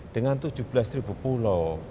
dengan tujuh belas pulau